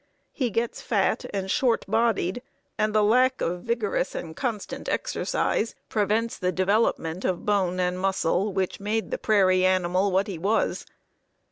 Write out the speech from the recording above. He gets fat and short bodied, and the lack of vigorous and constant exercise prevents the development of bone and muscle which made the prairie animal what he was.